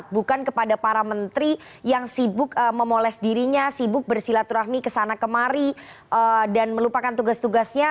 bukan kepada para menteri yang sibuk memoles dirinya sibuk bersilaturahmi kesana kemari dan melupakan tugas tugasnya